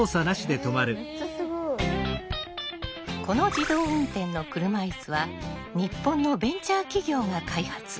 この自動運転の車いすは日本のベンチャー企業が開発。